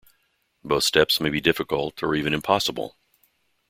Both steps may be difficult or even impossible.